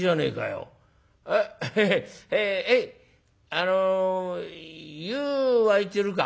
「あの湯沸いてるか？」。